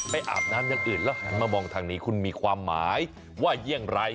อาบน้ำอย่างอื่นแล้วหันมามองทางนี้คุณมีความหมายว่าอย่างไร